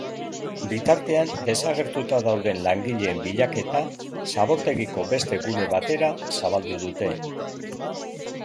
Bitartean, desagertuta dauden langileen bilaketa zabortegiko beste gune batera zabaldu dute.